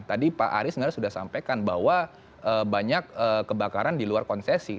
tadi pak aris sebenarnya sudah sampaikan bahwa banyak kebakaran di luar konsesi